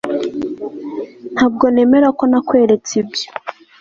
ntabwo nemera ko nakweretse ibyo